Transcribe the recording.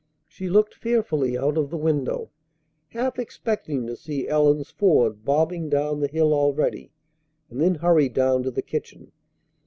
She looked fearfully out of the window, half expecting to see Ellen's Ford bobbing down the hill already, and then hurried down to the kitchen.